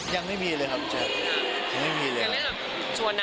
ยังไม่มีเลยครับพี่เจ้า